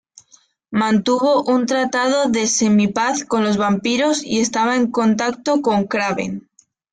Mantuvo un tratado de Semi-Paz con los vampiros, y estaba en contacto con Kraven.